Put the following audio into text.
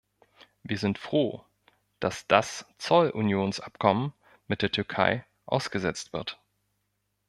Wir sind froh, dass das Zollunionsabkommen mit der Türkei ausgesetzt wird.